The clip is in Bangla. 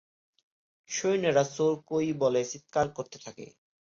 সৈন্যরা চোর কই বলে চিৎকার করতে থাকে।